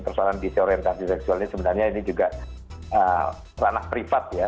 persoalan disorientasi seksual ini sebenarnya ini juga ranah privat ya